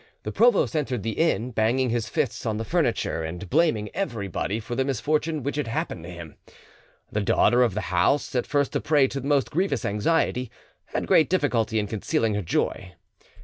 The provost entered the inn, banging his fist on the furniture, and blaming everybody for the misfortune which had happened to him. The daughter of the house, at first a prey to the most grievous anxiety, had great difficulty in concealing her joy.